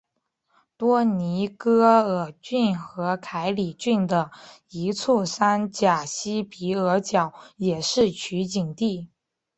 多尼戈尔郡和凯里郡的一处山岬西比尔角也是取景地。